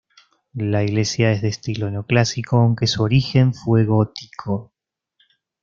La iglesia es de estilo neoclásico, aunque su origen fue gótico.